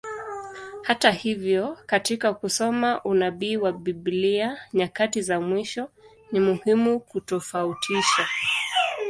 Hata hivyo, katika kusoma unabii wa Biblia nyakati za mwisho, ni muhimu kutofautisha.